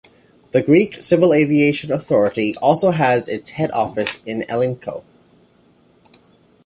The Greek Civil Aviation Authority also has its head office in Elliniko.